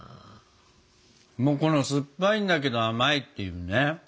もうこの酸っぱいんだけど甘いっていうね。